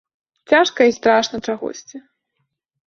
Цяжка і страшна чагосьці.